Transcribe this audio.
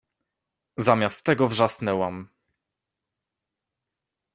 Zamiast tego wrzasnęłam